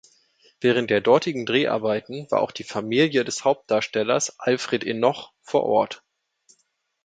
Während der dortigen Dreharbeiten war auch die Familie des Hauptdarstellers Alfred Enoch vor Ort.